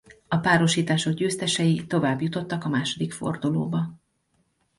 A párosítások győztesei továbbjutottak a második fordulóba.